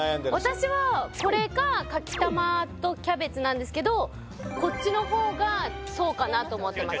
私はこれかかきたまとキャベツなんですけどこっちの方がそうかなと思ってます